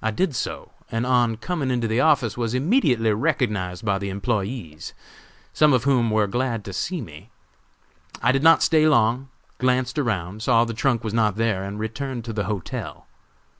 I did so, and on coming into the office was immediately recognized by the employés, some of whom were glad to see me. I did not stay long; glanced around, saw the trunk was not there, and returned to the hotel.